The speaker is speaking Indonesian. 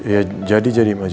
ya jadi jadi mak